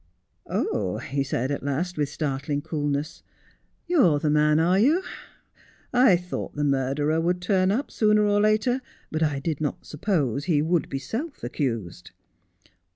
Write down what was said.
'Oh,' he said, at last, with startling coolness, 'you are the man, are you ? I thought the murderer would turn up sooner or later, but I did not suppose he would be self accused.